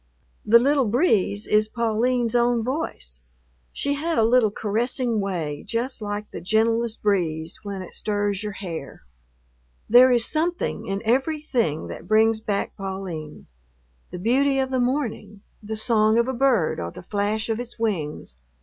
The little breeze is Pauline's own voice; she had a little caressing way just like the gentlest breeze when it stirs your hair. There is something in everything that brings back Pauline: the beauty of the morning, the song of a bird or the flash of its wings.